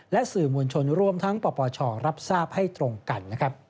และสื่อมวลชนรวมทั้งปปชรับทราบให้ตรงกัน